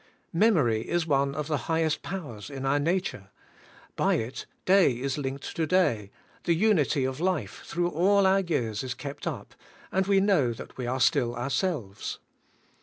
Memory is one of the highest powers in our nature. By it day is linked to day, the unity of life through all our years is kept up, and we know that we are still ourselves.